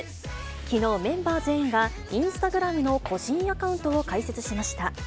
きのう、メンバー全員がインスタグラムの個人アカウントを開設しました。